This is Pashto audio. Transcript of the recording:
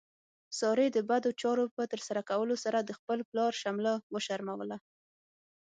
سارې د بدو چارو په ترسره کولو سره د خپل پلار شمله وشرموله.